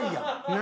何？